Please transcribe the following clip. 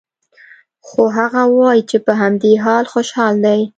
خو هغه وايي چې په همدې حال خوشحال دی